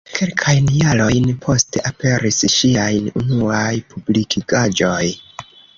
Kelkajn jarojn poste aperis ŝiaj unuaj publikigaĵoj.